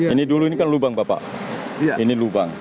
ini dulu ini kan lubang bapak ini lubang